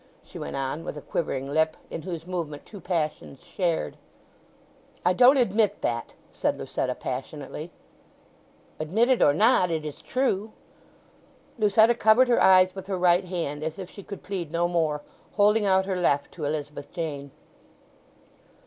she went on with a quivering lip in whose movement two passions shared. "I don't admit that!" said Lucetta passionately. "Admit it or not, it is true!" Lucetta covered her eyes with her right hand, as if she could plead no more, holding out her left to Elizabeth Jane.